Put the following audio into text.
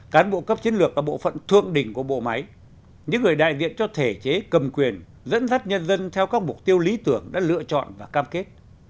cán bộ cấp chiến lược và bộ phận thượng đỉnh của bộ máy những người đại diện cho thể chế cầm quyền dẫn dắt nhân dân theo các mục tiêu lý tưởng đã lựa chọn và cam kết